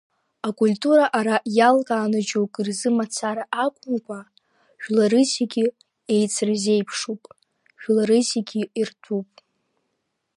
Акультура ара, иалкааны џьоукы рзы мацара акәымкәа, жәлары зегьы еицырзеиԥшуп, жәлары зегьы иртәуп.